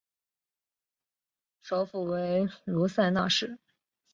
首府为卢塞纳市。